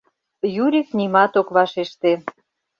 Юрик нимат ок вашеште.